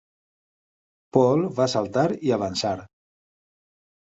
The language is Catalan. Paul va saltar i avançar.